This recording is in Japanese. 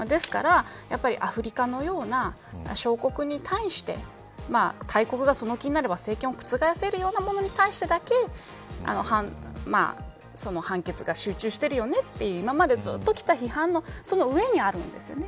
ですからアフリカのような小国に対して大国が、その気になれば政権を覆せるようなものに対してだけその判決が集中しているよねという今までずっときた批判の上にあるんです。